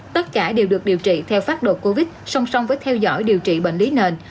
tất cả đều được điều trị theo pháp đột covid song song với theo dõi điều trị bệnh lý nền